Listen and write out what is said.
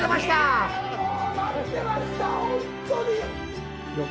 いや、もう待ってました、本当に。